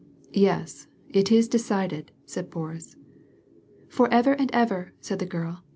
"Yes, it is decided," said Boris. "For ever and ever," said the girl.